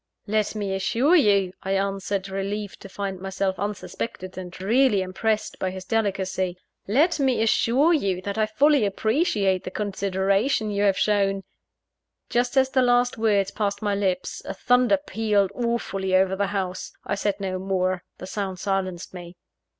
"Let me assure you," I answered; relieved to find myself unsuspected, and really impressed by his delicacy "let me assure you that I fully appreciate the consideration you have shown " Just as the last words passed my lips, the thunder pealed awfully over the house. I said no more: the sound silenced me.